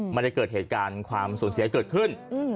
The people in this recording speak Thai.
ไม่ได้เกิดเหตุการณ์ความสูญเสียเกิดขึ้น